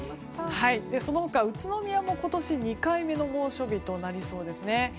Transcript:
そのほか、宇都宮も今年２回目の猛暑日となりそうです。